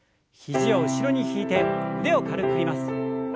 肘を後ろに引いて腕を軽く振ります。